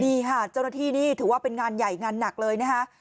นี่ค่ะเจ้าหน้าที่นี่ถือว่าเป็นงานใหญ่งานหนักเลยนะคะ